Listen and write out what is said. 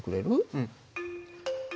うん。